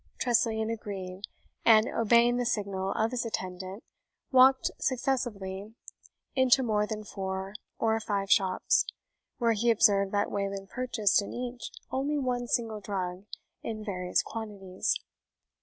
Tressilian agreed, and obeying the signal of his attendant, walked successively into more than four or five shops, where he observed that Wayland purchased in each only one single drug, in various quantities.